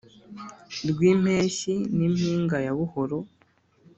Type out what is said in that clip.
rwimpembyi n'impinga ya buhoro